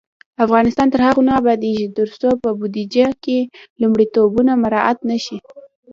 افغانستان تر هغو نه ابادیږي، ترڅو په بودیجه کې لومړیتوبونه مراعت نشي.